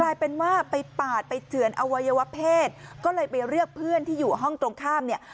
กลายเป็นว่าไปปาดไปเจือนอวัยวะเพศก็เลยไปเรียกเพื่อนที่อยู่ห้องตรงข้ามเนี่ย